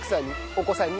お子さんに？